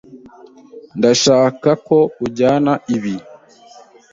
Ndashaka ko ujyana ibi.